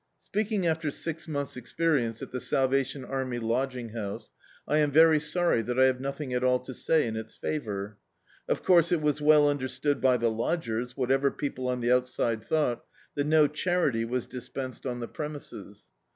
Speaking after six mtxiths' experience at the Sal vation Army Lodging House, I am very sorry that I have nothing at all to say in its favour. Of course, it was well understood by the lodgers, whatever people on the outside thought, that no charity was dispensed on the premises.